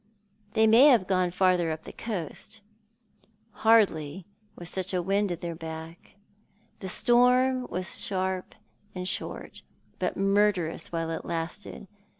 """ They may have gone farther along the coast." " Hardly with such a wind in their teeth. The storm was short and sharp, but murderous while it lasted.